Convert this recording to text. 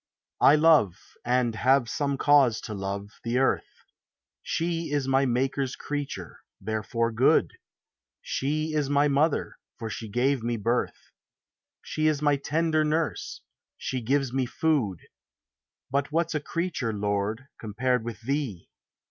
I love, and have some cause to love, the earth, — She is my Maker's creature, therefore good; She is my mother, for she gave me birth : She is my tender nurse, she gives me food : But what's a creature, Lord, compared with thee?